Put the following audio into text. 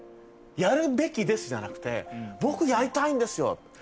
「やるべきです」じゃなくて「僕やりたいんですよ！」。